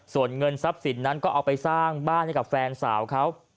ส่วนเงินทรัพย์สินนั้นก็เอาไปสร้างบ้านให้กับแฟนสาวเขา